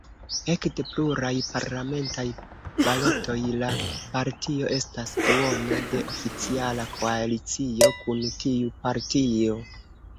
Ekde pluraj parlamentaj balotoj la partio estas duono de oficiala koalicio kun tiu partio.